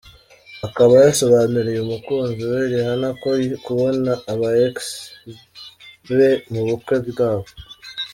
akaba yasobanuriye umukunzi we Rihanna ko kubona aba ex be mu bukwe bwabo.